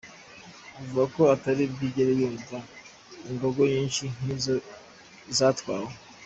Avuga ko atari bwigere yumva imbogo nyinshi nkizo zatwawe.